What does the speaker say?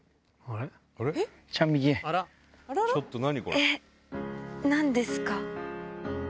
えっ何ですか？